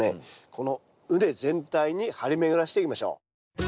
この畝全体に張り巡らせていきましょう。